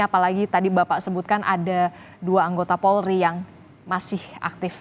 apalagi tadi bapak sebutkan ada dua anggota polri yang masih aktif